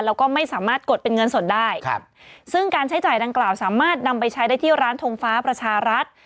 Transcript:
แล้วก็ไม่สามารถกดเป็นเงินสดได้ครับซึ่งการใช้จ่ายดังกล่าวสามารถนำไปใช้ได้ที่ร้านทงฟ้าประชารัฐ